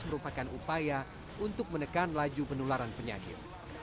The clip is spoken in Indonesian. merupakan upaya untuk menekan laju penularan penyakit